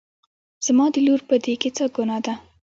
زما د لور په دې کې څه ګناه ده